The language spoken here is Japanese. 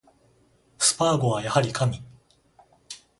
スパーゴはやはり神